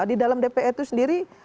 di dalam dpr itu sendiri